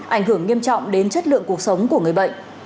ảnh hưởng nghiêm trọng đến chất lượng cuộc sống của người bệnh